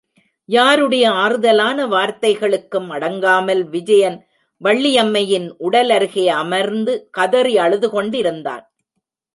யாருடைய ஆறுதலான வார்த்தைகளுக்கும் அடங்காமல் விஜயன் வள்ளியம்மையின் உடல் அருகே அமர்ந்து கதறி அழுது கொண்டிருந்தான்.